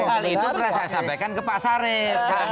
kali itu saya sampaikan ke pak sarir